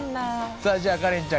さあじゃあカレンちゃん